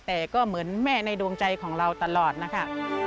แต่ก็เหมือนแม่ในดวงใจของเราตลอดนะคะ